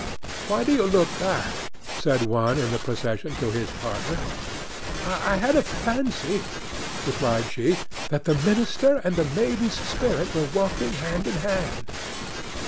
"Why do you look back?" said one in the procession to his partner. "I had a fancy," replied she, "that the minister and the maiden's spirit were walking hand in hand."